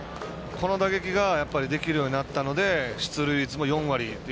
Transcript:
この打撃ができるようになったので出塁率も４割という。